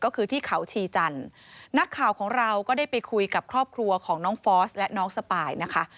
ก็คือที่เขาชีจันทร์นักข่าวของเราก็ได้ไปคุยกับครอบครัวของน้องฟอสและน้องสปายนะคะ